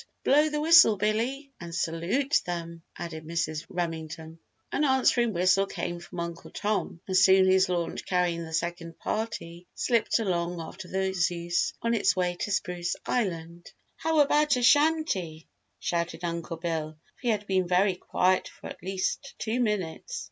Blow the whistle, Billy, and salute them," added Mrs. Remington. An answering whistle came from Uncle Tom, and soon his launch carrying the second party slipped along after the Zeus on its way to Spruce Island. "How about a chantey!" shouted Uncle Bill, for he had been very quiet for at least two minutes.